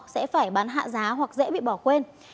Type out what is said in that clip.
sẽ phải bán hạ giá hoặc dễ bị bỏ quên